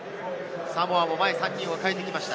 サモアも前３人を代えてきました。